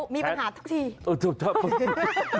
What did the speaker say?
มีปัญหาทุกที